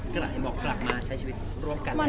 กลับมาใช้ชีวิตรวงกันแล้ว